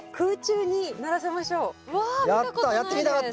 やった！